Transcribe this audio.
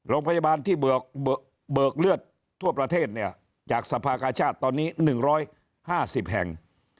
โรงพยาบาลที่เบิกเลือดทั่วประเทศเนี่ยจากสภากาชาติตอนนี้๑๕๐แห่ง